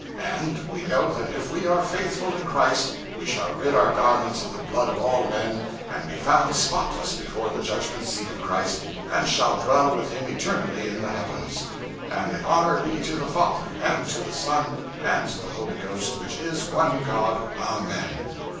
And we know that if we are faithful in Christ, we shall rid our garments of the blood of all men, and be found spotless before the judgment seat of Christ, and shall dwell with Him eternally in the heavens. And the honor be to the Father, and to the Son, and to the Holy Ghost, which is one God. Amen.